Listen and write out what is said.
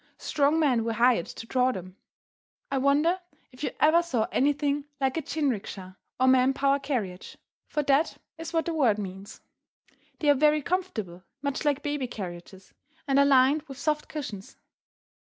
Strong men were hired to draw them. I wonder if you ever saw anything like a jin riki sha, or man power carriage, for that is what the word means. They are very comfortable, much like baby carriages, and are lined with soft cushions.